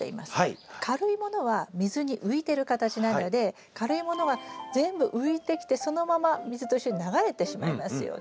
軽いものは水に浮いてる形なので軽いものは全部浮いてきてそのまま水と一緒に流れてしまいますよね。